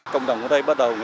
công đồng ở đây bảo vệ loài gấu